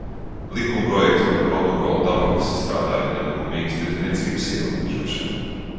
"Likumprojekts "Par Protokolu par tabakas izstrādājumu nelikumīgas tirdzniecības ierobežošanu"."